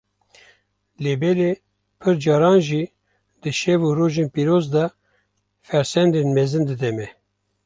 lêbelê pir caran jî di şev û rojên pîroz de fersendên mezin dide me.